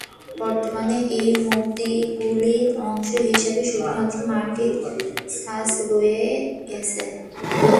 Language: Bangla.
বর্তমানে এই মূর্তিগুলির অংশ হিসেবে শুধুমাত্র মাটির ছাঁচ রয়ে গেছে।